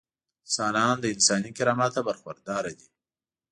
انسانان له انساني کرامته برخورداره دي.